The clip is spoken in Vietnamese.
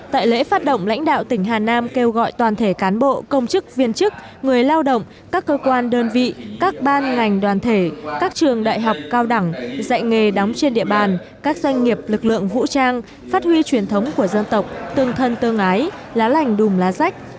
tại lễ phát động lãnh đạo tỉnh hà nam kêu gọi toàn thể cán bộ công chức viên chức người lao động các cơ quan đơn vị các ban ngành đoàn thể các trường đại học cao đẳng dạy nghề đóng trên địa bàn các doanh nghiệp lực lượng vũ trang phát huy truyền thống của dân tộc tương thân tương ái lá lành đùm lá rách